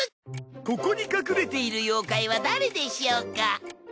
ここに隠れている妖怪は誰でしょうか？